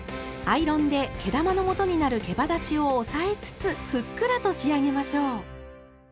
アイロンで毛玉のもとになるけばだちを押さえつつふっくらと仕上げましょう。